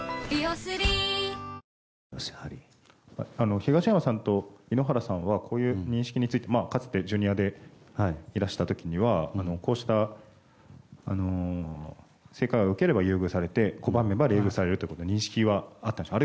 東山さんと井ノ原さんはこういう認識についてかつてＪｒ．でいらした時にはこうした性被害を受ければ優遇されて拒めば冷遇されるという認識はあったんでしょうか。